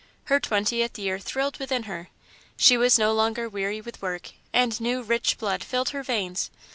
Her twentieth year thrilled within her; she was no longer weary with work, and new, rich blood filled her veins.